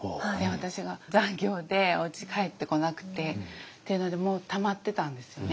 私が残業でおうち帰ってこなくてっていうのでたまってたんですよね。